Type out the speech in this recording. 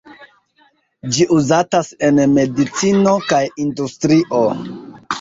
Ĝi uzatas en medicino kaj industrio.